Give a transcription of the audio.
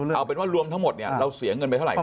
เอาเป็นว่ารวมทั้งหมดเนี่ยเราเสียเงินไปเท่าไหร่